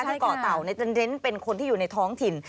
ที่เกาะเต่าจะเน้นเป็นคนที่อยู่ในท้องถิ่น